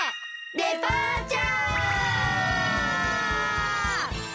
デパーチャー！